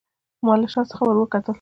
ما له شا څخه وروکتل.